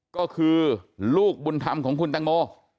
ก็คือลูกบุญธรรมของคุณตังโม